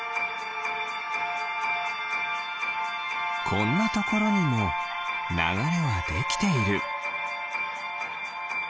こんなところにもながれはできている。